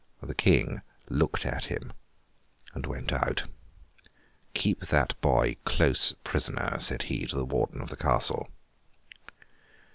The King looked at him and went out. 'Keep that boy close prisoner,' said he to the warden of the castle.